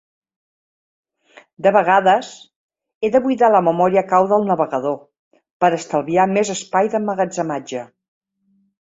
De vegades, he de buidar la memòria cau del navegador per estalviar més espai d'emmagatzematge.